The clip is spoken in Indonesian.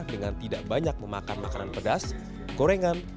dengan tidak banyak memakan makanan pedas gorengan